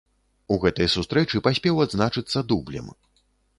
У гэтай сустрэчы паспеў адзначыцца дублем.